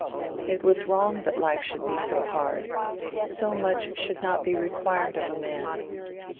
It was wrong that life should be so hard; so much should not be required of a man.